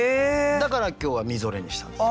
だから今日はみぞれにしたんです。